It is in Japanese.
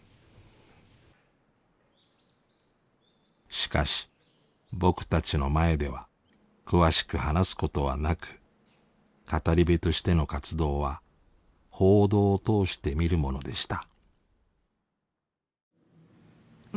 しかし僕たちの前では詳しく話すことはなく語り部としての活動は報道を通して見るものでした。